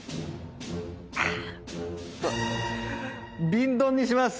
瓶ドンにします。